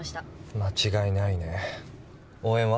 間違いないね応援は？